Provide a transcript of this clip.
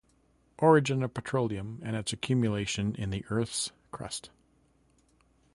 Origin of petroleum and its accumulation in the Earth's crust.